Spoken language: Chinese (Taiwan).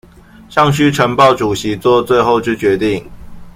尚須呈報主席做最後之決定